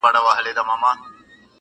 بس و یار ته ستا خواږه کاته درمان سي,